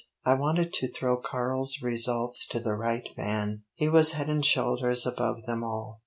I wanted to throw Karl's results to the right man. He was head and shoulders above them all."